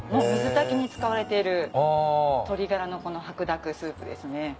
水炊きに使われている鶏がらのこの白濁スープですね。